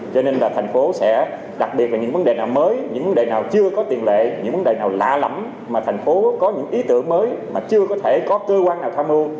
cho nên là thành phố sẽ đặc biệt là những vấn đề nào mới những vấn đề nào chưa có tiền lệ những vấn đề nào lạ lẫm mà thành phố có những ý tưởng mới mà chưa có thể có cơ quan nào tham mưu